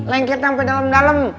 lengket sampe dalem dalem